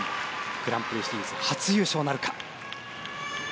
グランプリシリーズ初優勝なるか。